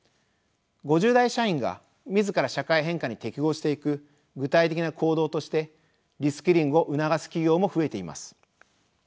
５０代社員が自ら社会変化に適合していく具体的な行動としてリスキリングを促す企業も増えています。